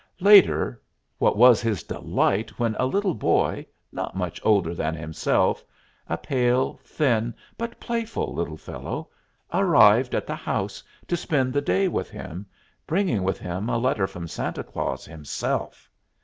Later, what was his delight when a small boy, not much older than himself a pale, thin, but playful little fellow arrived at the house to spend the day with him, bringing with him a letter from Santa Claus himself!